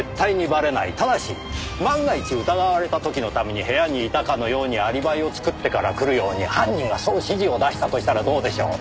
ただし万が一疑われた時のために部屋にいたかのようにアリバイを作ってから来るように犯人がそう指示を出したとしたらどうでしょう？